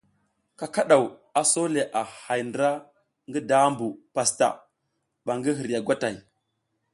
Kakadaw a so le a hay ndra ngi dabu pastaʼa ban gi hirya gwatay.